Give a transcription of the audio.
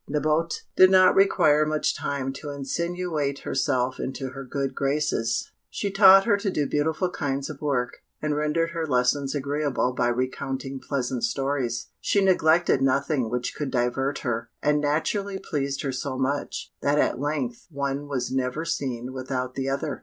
Nabote did not require much time to insinuate herself into her good graces; she taught her to do beautiful kinds of work, and rendered her lessons agreeable by recounting pleasant stories. She neglected nothing which could divert her, and naturally pleased her so much, that at length one was never seen without the other.